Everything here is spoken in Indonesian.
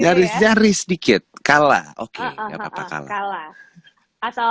nyaris nyaris dikit kala oke gak apa apa kala